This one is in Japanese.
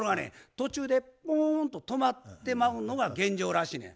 途中でポーンと止まってまうのが現状らしいねん。